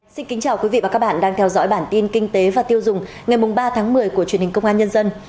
xin kính chào quý vị và các bạn đang theo dõi bản tin kinh tế và tiêu dùng ngày ba tháng một mươi của truyền hình công an nhân dân